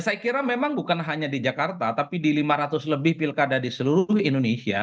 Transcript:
saya kira memang bukan hanya di jakarta tapi di lima ratus lebih pilkada di seluruh indonesia